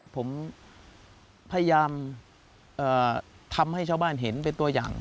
ผมพยายามทำให้ชาวบ้านเห็นเป็นตัวอย่าง